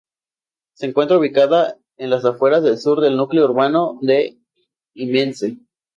Se encuentra ubicada en las afueras del sur del núcleo urbano de Immensee.